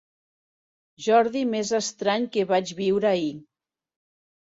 Jordi més estrany que vaig viure ahir.